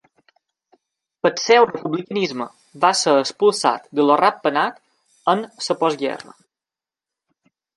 Pel seu republicanisme va ser expulsat de Lo Rat Penat en la postguerra.